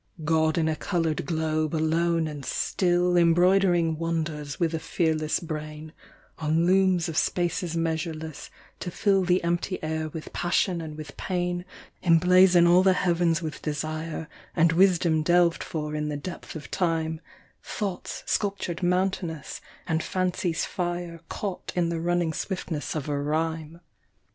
God in a coloured globe, alone and still, Embroidering wonders with a fearless brain, ' >n looms of spaces measureless, to (ill I he empty air with passion and with pain, Emblazon all the heavens with desire And Wisdom delved for in the depth of time — Thoughts sculptured mountainous, and fancy's fire lit in the running Bwift i rhyme.